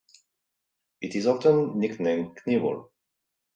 It is often nicknamed Knievel.